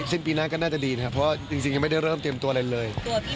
สิ้นปีหน้าก็น่าจะดีนะครับเพราะจริงยังไม่ได้เริ่มเตรียมตัวอะไรเลย